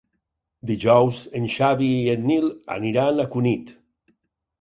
Dijous en Xavi i en Nil aniran a Cunit.